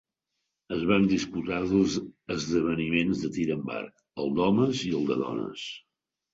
Es van disputar dos esdeveniments de tir amb arc: el d'homes i el de dones.